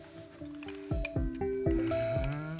うん？